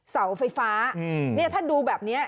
เสาไฟฟ้าถ้าดูแบบนี้